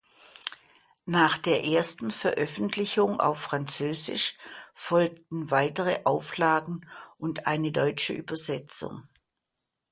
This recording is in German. Nach der ersten Veröffentlichung auf Französisch folgten weitere Auflagen und eine deutsche Übersetzung.